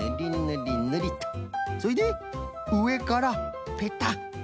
それでうえからペタッ。